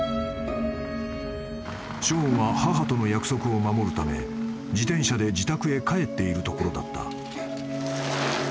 ［ショーンは母との約束を守るため自転車で自宅へ帰っているところだった］